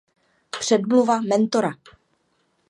Předmluva mentora